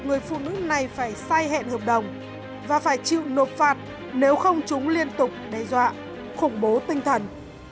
người phụ nữ này phải sai hẹn hợp đồng và phải chịu nộp phạt nếu không chúng liên tục đe dọa khủng bố tinh thần